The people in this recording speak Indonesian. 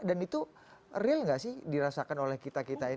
dan itu real nggak sih dirasakan oleh kita kita ini